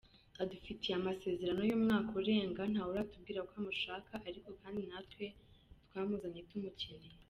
Adufitiye amasezerano y’umwaka urenga, ntawuratubwira ko amushaka ariko kandi natwe twamuzanye tumukeneye.